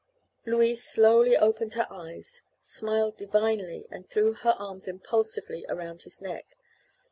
Louise slowly opened her eyes, smiled divinely, and threw her arms impulsively around his neck.